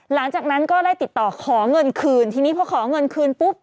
หลังจากนั้นก็ได้ติดต่อขอเงินคืนทีนี้พอขอเงินคืนปุ๊บ